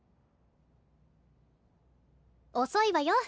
遅いわよ。